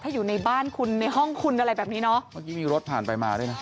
ถ้าอยู่ในบ้านคุณในห้องคุณอะไรแบบนี้เนอะเมื่อกี้มีรถผ่านไปมาด้วยนะ